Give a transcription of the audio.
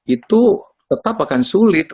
itu tetap akan sulit